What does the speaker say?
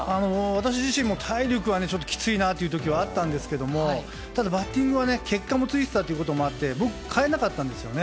私自身も体力はちょっときついなという時はあったんですけれどもただ、バッティングは結果もついてたということもあって僕、変えなかったんですよね。